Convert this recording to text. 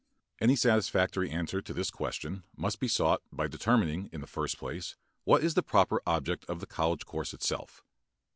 Any satisfactory answer to this question must be sought by determining in the first place what is the proper object of the college course itself.